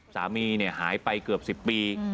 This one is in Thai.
สามีหายไปเกือบ๑๐ปี